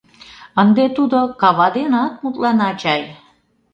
Ынде тудо кава денат мутлана чай?